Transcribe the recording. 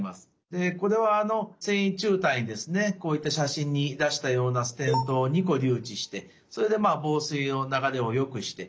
でこれは線維柱帯ですねこういった写真に出したようなステントを２個留置してそれで房水の流れをよくして。